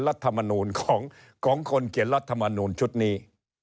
รัฐมนูลของคนเขียนรัฐมนูลชุดนี้